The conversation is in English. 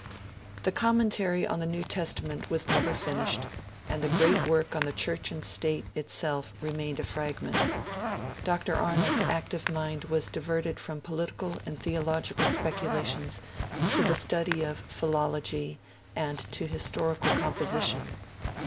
The Commentary on the New Testament was never finished, and the great work on Church and State itself remained a fragment. Dr. Arnold's active mind was diverted from political and theological speculations to the study of philology, and to historical composition.